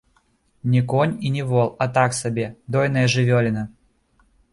Не конь і не вол, а так сабе, дойная жывёліна.